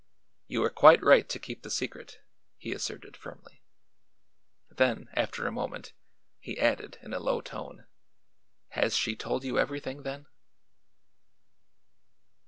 "You are quite right to keep the secret," he asserted firmly. Then, after a moment, he added in a low tone: "Has she told you everything, then?"